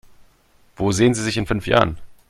Wo sehen Sie sich in fünf Jahren?